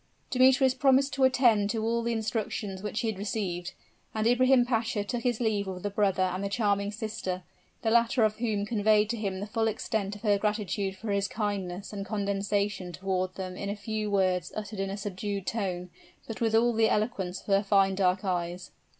Demetrius promised to attend to all the instructions which he had received; and Ibrahim Pasha took his leave of the brother and the charming sister, the latter of whom conveyed to him the full extent of her gratitude for his kindness and condescension toward them in a few words uttered in a subdued tone, but with all the eloquence of her fine dark eyes.